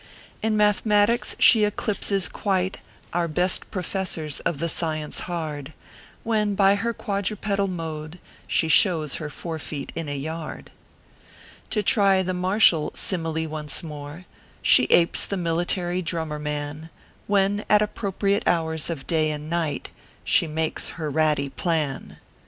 In mathematics she eclipses quite Our best professors of the science hard, When, by her quadrupedal mode, she shows Her four feet in a yard. To try the martial simile once more: She apes the military drummer man, "When, at appropriate hours of day and night, She makes her ratty plan.